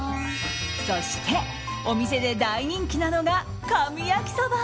そして、お店で大人気なのが神焼きそば。